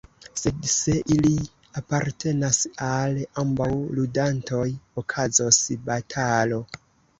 Sed se ili apartenas al ambaŭ ludantoj, okazos batalo.